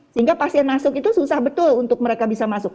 sehingga pasien masuk itu susah betul untuk mereka bisa masuk